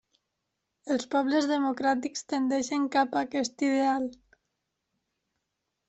Els pobles democràtics tendeixen cap a aquest ideal.